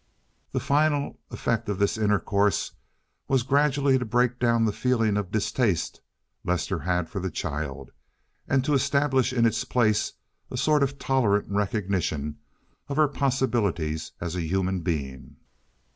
The final effect of this intercourse was gradually to break down the feeling of distaste Lester had for the child, and to establish in its place a sort of tolerant recognition of her possibilities as a human being.